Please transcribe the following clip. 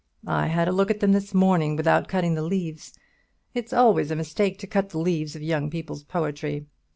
I had a look at them this morning, without cutting the leaves. It's always a mistake to cut the leaves of young people's poetry.